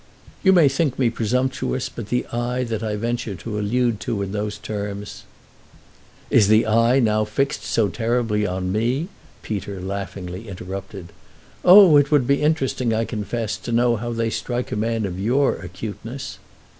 "You may think me presumptuous, but the eye that I venture to allude to in those terms—" "Is the eye now fixed so terribly on me?" Peter laughingly interrupted. "Oh, it would be interesting, I confess, to know how they strike a man of your acuteness!"